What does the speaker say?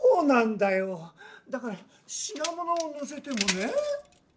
だからしなものをのせてもね。